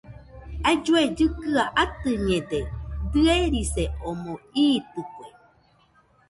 Aillue kɨkɨaɨ atɨñede, dɨerise omo iitɨkue.